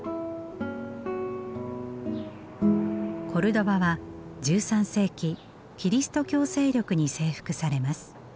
コルドバは１３世紀キリスト教勢力に征服されます。